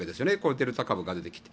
デルタ株が出てきて。